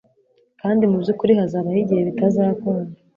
Kandi mubyukuri hazabaho igihe bitazakunda